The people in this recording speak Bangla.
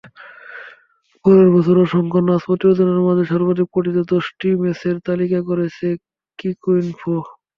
পুরো বছরের অসংখ্য ম্যাচ প্রতিবেদনের মাঝে সর্বাধিক পঠিত দশটি ম্যাচের তালিকা করেছে ক্রিকইনফো।